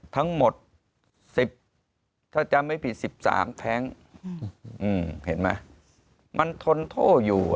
ทั้งหมดสิบถ้าจะไม่ผิดสิบสามแทงอืมเห็นไหมมันทนโท่อยู่